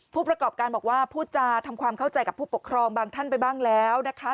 ผู้ประกอบการบอกว่าพูดจาทำความเข้าใจกับผู้ปกครองบางท่านไปบ้างแล้วนะคะ